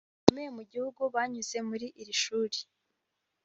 Mu bantu bakomeye mu gihugu banyuze muri iri shuri